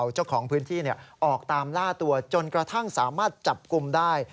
เจ้าของพื้นที่ออกตามล่าตัวจนกระทั่งสามารถจับกลุ่มได้